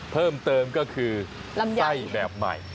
เพิ่มเติมก็คือลำไส้แบบใหม่